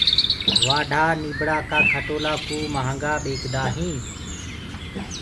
وآڍآ نيٚڀڙآ ڪآ کٽولآ ڪو مهآگآ ٻيچدآ هينٚ